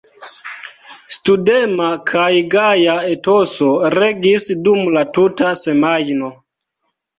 Studema kaj gaja etoso regis dum la tuta semajno.